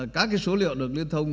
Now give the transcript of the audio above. các cái số liệu được liên thông